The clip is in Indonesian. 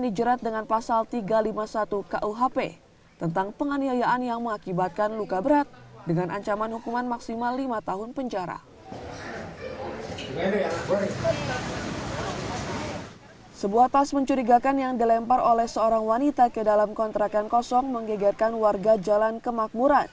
di bekasi sebuah tas mencurigakan yang dilempar oleh seorang wanita ke dalam kontrakan kosong menggegerkan warga jalan kemakmuran